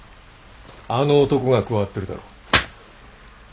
あの男が加わってるだろ。